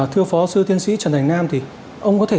thưa phó sư tiến sĩ trần thành nam thì ông có thể